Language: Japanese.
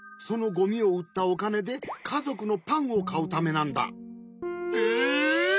そのゴミをうったおかねでかぞくのパンをかうためなんだ。えっ！？